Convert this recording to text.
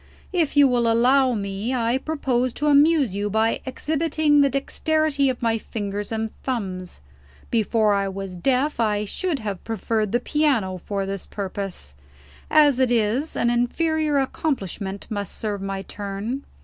If you will allow me, I propose to amuse you by exhibiting the dexterity of my fingers and thumbs. Before I was deaf, I should have preferred the piano for this purpose. As it is, an inferior accomplishment must serve my turn."